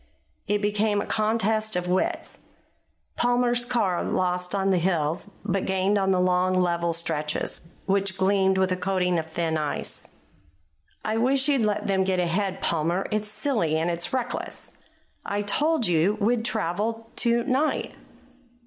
It became a contest of wits. Palmer's car lost on the hills, but gained on the long level stretches, which gleamed with a coating of thin ice. "I wish you'd let them get ahead, Palmer. It's silly and it's reckless." "I told you we'd travel to night."